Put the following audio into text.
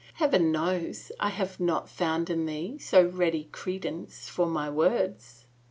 " Heaven knows I have not found in thee so ready credence for my words